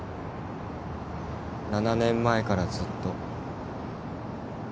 ７年前からずっと。